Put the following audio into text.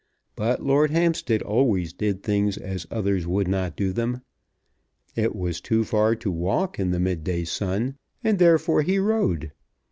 But Lord Hampstead always did things as others would not do them. It was too far to walk in the midday sun, and therefore he rode.